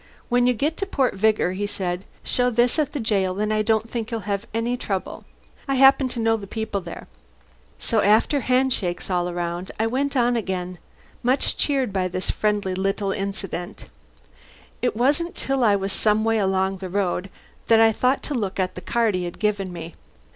"When you get to Port Vigor," he said, "show this at the jail and I don't think you'll have any trouble. I happen to know the people there." So after a hand shake all round I went on again, much cheered by this friendly little incident. It wasn't till I was some way along the road that I thought of looking at the card he had given me.